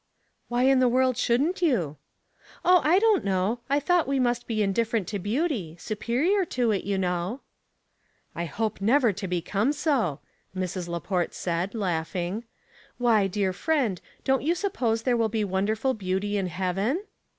" Why in the world shouldn't you?" " Oh, I don't know. I thought we must 284 Household Puzzles, be indifferent to beauty — superior to it, you know '*" I hope never to become so,'* Mrs. Laport said, laughing. *' Why, dear friend, don't you suppose there will be wonderful beauty in heaven